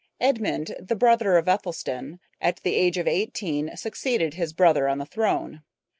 Edmund, the brother of Ethelstan, at the age of eighteen, succeeded his brother on the throne.